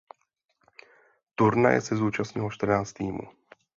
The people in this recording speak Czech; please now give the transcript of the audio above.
Turnaje se zúčastnilo čtrnáct týmů.